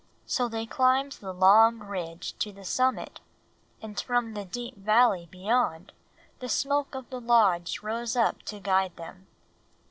So they climbed the long ridge to the summit, and from the deep valley beyond the smoke of the Lodge rose up to guide them.